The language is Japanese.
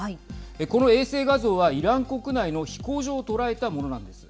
この衛星画像はイラン国内の飛行場を捉えたものなんです。